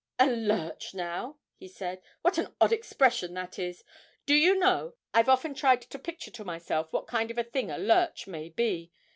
'A lurch now,' he said 'what an odd expression that is! Do you know, I've often tried to picture to myself what kind of a thing a lurch may be.